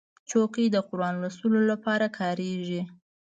چوکۍ د قرآن لوستلو لپاره کارېږي.